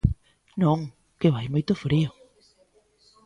Non, que vai moito frío.